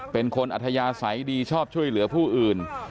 เป็นคนอัทยาใสดีชอบช่วยเหลือผู้อื่น